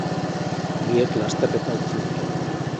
Biek lasterketa utzi dute.